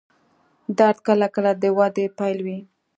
درد کله کله د وده پیل وي.